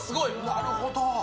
なるほど！